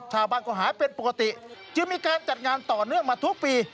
ชาวบ้านก็หายเป็นปกติจึงมีการจัดงานต่อเนื่องมาทุกปี